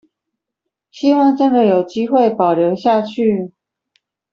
希望真的有機會保留下去